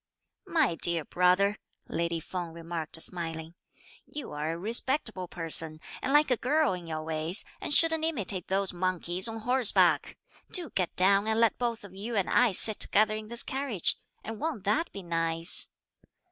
"My dear brother," lady Feng remarked smiling, "you are a respectable person, and like a girl in your ways, and shouldn't imitate those monkeys on horseback! do get down and let both you and I sit together in this carriage; and won't that be nice?"